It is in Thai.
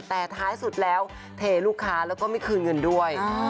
แต่ท้ายสุดแล้วเทลูกค้าแล้วก็ไม่คืนเงินด้วย